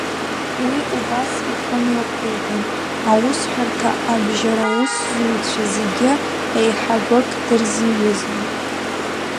Уи убас ихы мҩаԥигон, аусҳәарҭа абжьараусзуҩцәа зегьы еиҳабык дырзиҩызан.